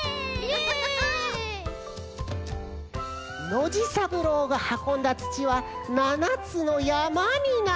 ノジさぶろうがはこんだつちは７つのやまになりました。